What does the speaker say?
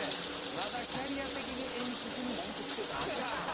まだキャリア的に演出に文句つけたあかん！